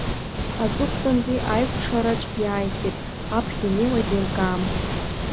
Аҵыхәтәантәи аикәшараҿ иааихьеит, аԥхьа инеиуа деилкаам.